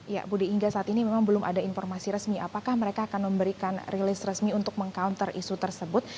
ya budi hingga saat ini memang belum ada informasi resmi apakah mereka akan memberikan rilis resmi untuk meng counter isu tersebut